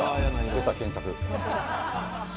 出た検索。